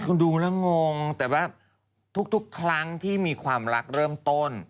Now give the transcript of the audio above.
คุณดูแล้วงงแต่ว่าทุกครั้งที่มีความรักเริ่มต้น